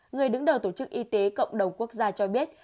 người đứng đầu tổ chức y tế cộng đồng quốc gia cho biết